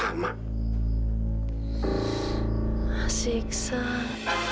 terima kasih iksan